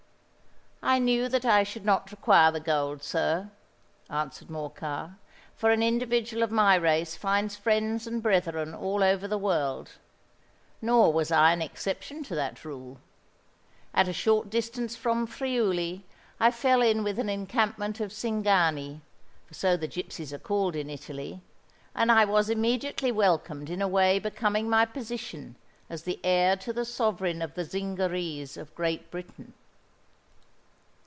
"I knew that I should not require the gold, sir," answered Morcar; "for an individual of my race finds friends and brethren all over the world. Nor was I an exception to that rule. At a short distance from Friuli I fell in with an encampment of Cingani—for so the gipsies are called in Italy; and I was immediately welcomed in a way becoming my position as the heir to the sovereign of the Zingarees of Great Britain."